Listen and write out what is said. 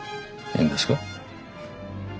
いいんですか？